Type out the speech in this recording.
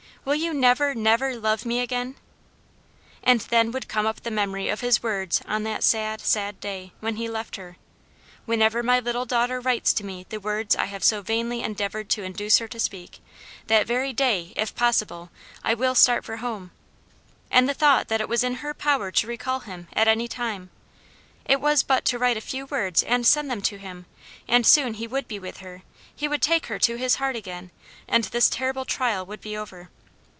will you never, never love me again?" And then would come up the memory of his words on that sad, sad day, when he left her "Whenever my little daughter writes to me the words I have so vainly endeavored to induce her to speak, that very day, if possible, I will start for home" and the thought that it was in her power to recall him at any time; it was but to write a few words and send them to him, and soon he would be with her he would take her to his heart again, and this terrible trial would be over.